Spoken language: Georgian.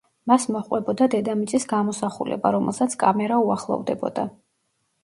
მას მოჰყვებოდა დედამიწის გამოსახულება, რომელსაც კამერა უახლოვდებოდა.